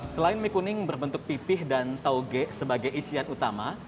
selain mie kuning berbentuk pipih dan tauge sebagai isian utama